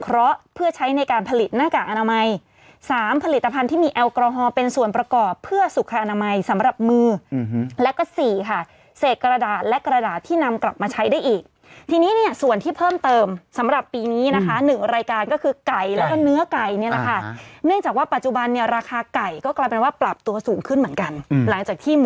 เราเอาพื้นที่ไปปลูกยางพาลา